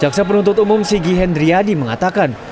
jaksa penuntut umum sigi hendriadi mengatakan